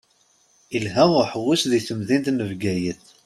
Ilha uḥewwes di temdint n Bgayet.